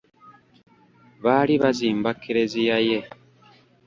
Baali bazimba Klezia ye?